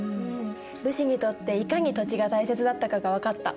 武士にとっていかに土地が大切だったかが分かった。